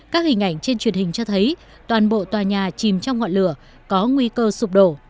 các hình ảnh trên truyền hình cho thấy toàn bộ tòa nhà chìm trong ngọn lửa có nguy cơ sụp đổ